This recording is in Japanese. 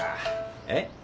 えっ？